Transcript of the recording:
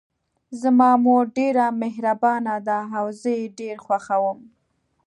زما مور ډیره مهربانه ده او زه یې ډېر خوښوم